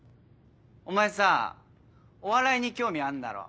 お前さぁお笑いに興味あるんだろ？